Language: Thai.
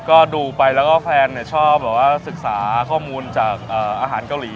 ก็ดูไปแล้วก็แฟนชอบแบบว่าศึกษาข้อมูลจากอาหารเกาหลี